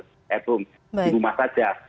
setehum jumlah saja